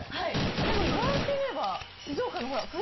でも言われてみれば静岡の。